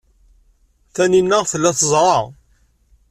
Taninna tella teẓra.